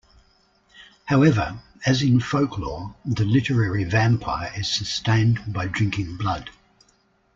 However, as in folklore, the literary vampire is sustained by drinking blood.